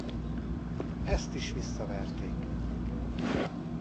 Ezt is visszaverték.